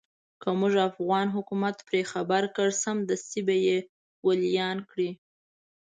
که موږ افغان حکومت پرې خبر کړ سمدستي به يې واليان کړي.